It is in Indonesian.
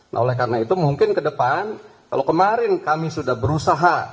nah oleh karena itu mungkin ke depan kalau kemarin kami sudah berusaha